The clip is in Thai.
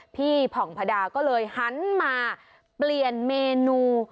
ผ่องพระดาก็เลยหันมาเปลี่ยนเมนู